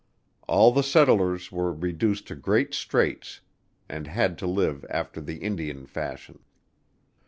All the settlers were reduced to great straits and had to live after the Indian fashion.